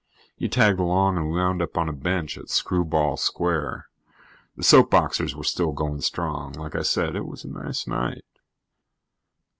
He tagged along and we wound up on a bench at Screwball Square. The soap boxers were still going strong. Like I said, it was a nice night.